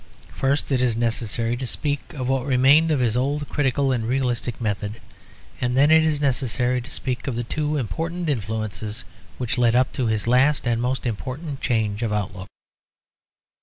First it is necessary to speak of what remained of his old critical and realistic method; and then it is necessary to speak of the two important influences which led up to his last and most important change of outlook.